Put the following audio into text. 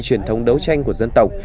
truyền thống đấu tranh của dân tộc